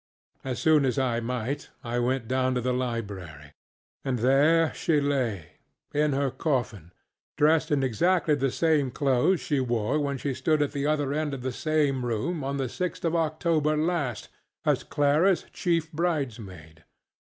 As soon as I might, I went down to the library, and there she lay, in her coffin, dressed in exactly the same clothes she wore when she stood at the other end of the same room on the 6th of October last, as ClaraŌĆÖs chief bridesmaid.